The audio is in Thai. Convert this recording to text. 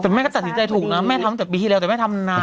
แต่แม่ก็ตัดสินใจถูกนะแม่ทำตั้งแต่ปีที่แล้วแต่แม่ทำนาน